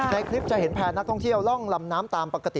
ในคลิปจะเห็นแพร่นักท่องเที่ยวล่องลำน้ำตามปกติ